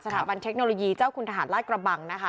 ถาบันเทคโนโลยีเจ้าคุณทหารราชกระบังนะคะ